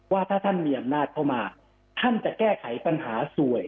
ว่าถ้าท่านมีอำนาจเข้ามาท่านจะแก้ไขปัญหาสวย